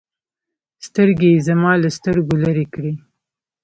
سترګې يې زما له سترګو لرې كړې.